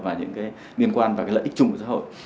và những cái liên quan và cái lợi ích chung của xã hội